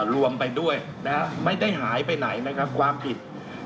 รวมไปด้วยไม่ได้หายไปไหนนะครับความผิด